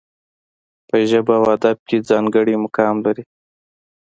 په ژبه او ادب کې ځانګړی مقام لري.